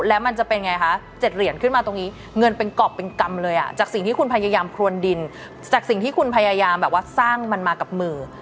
แล้วมันจะเป็นไงคะ๗เหรียญขึ้นมาตรงนี้เงินเป็นกรอบเป็นกรรมเลยอ่ะจากสิ่งที่คุณพยายามครวนดินจากสิ่งที่คุณพยายามแบบว่าสร้างมันมากับมือ